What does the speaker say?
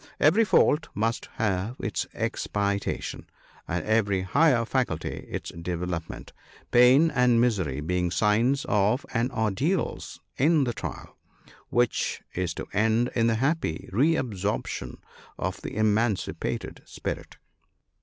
Every fault must have its expiation, and every higher faculty its development ; pain and misery being signs of and ordeals in the trial, which is to end in the happy re absorption of the eman cipated spirit.